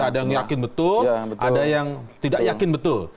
ada yang yakin betul ada yang tidak yakin betul